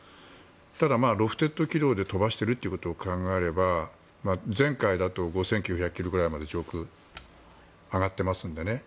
ただ、ロフテッド軌道で飛ばしていることを考えれば前回だと５９００ｋｍぐらいまで上空、上がっていますので。